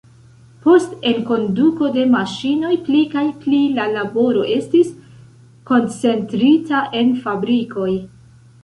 Post enkonduko de maŝinoj pli kaj pli la laboro estis koncentrita en fabrikoj.